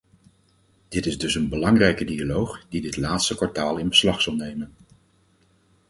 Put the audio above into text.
Dit is dus een belangrijke dialoog, die dit laatste kwartaal in beslag zal nemen.